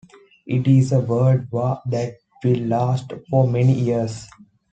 It is a world war that will last for many years.